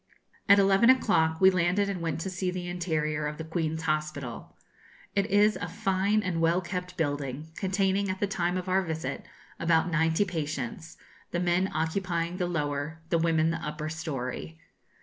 At eleven o'clock we landed and went to see the interior of the Queen's Hospital. It is a fine and well kept building, containing, at the time of our visit, about ninety patients, the men occupying the lower, the women the upper story.